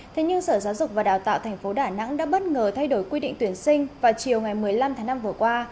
thế nhưng sở giáo dục và đào tạo tp đà nẵng đã bất ngờ thay đổi quy định tuyển sinh vào chiều ngày một mươi năm tháng năm vừa qua